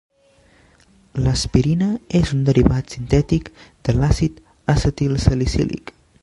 L’aspirina és un derivat sintètic de l’àcid acetilsalicílic.